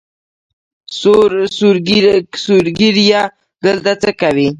سور ږیریه دلته څۀ کوې؟